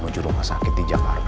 sofirih meninggal di tempat